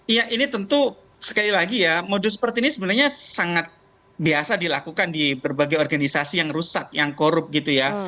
iya ini tentu sekali lagi ya modus seperti ini sebenarnya sangat biasa dilakukan di berbagai organisasi yang rusak yang korup gitu ya